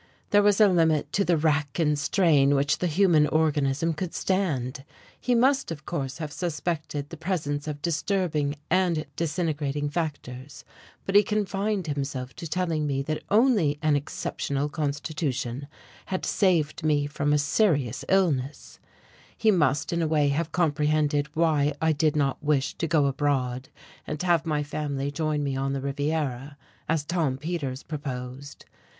There was a limit to the wrack and strain which the human organism could stand. He must of course have suspected the presence of disturbing and disintegrating factors, but he confined himself to telling me that only an exceptional constitution had saved me from a serious illness; he must in a way have comprehended why I did not wish to go abroad, and have my family join me on the Riviera, as Tom Peters proposed.